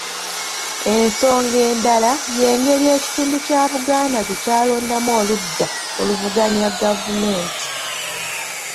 Ensonga endala, y'engeri ekitundu kya Buganda gye kyalondamu oludda oluvuganya Gavumenti